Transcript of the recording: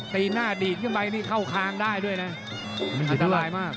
ตีหน้าดีดขึ้นไปนี่เข้าคางได้ด้วยนะมันอันตรายมาก